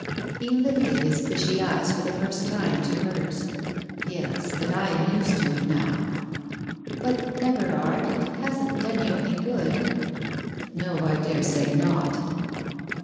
He lifted his fishy eyes for the first time to hers. "Yes, but I am used to it, now." "But, Everard, it hasn't done you any good?" "No, I daresay not."